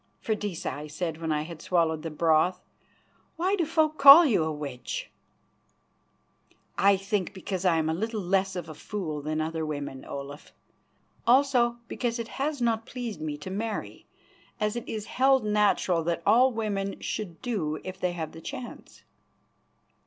"Freydisa," I said when I had swallowed the broth, "why do folk call you a witch?" "I think because I am a little less of a fool than other women, Olaf. Also because it has not pleased me to marry, as it is held natural that all women should do if they have the chance."